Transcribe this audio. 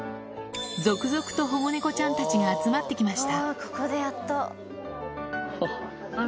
続々と保護猫ちゃんたちが集まってきました。